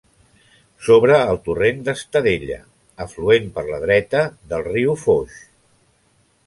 Sobre el torrent d'Estadella, afluent per la dreta del riu Foix.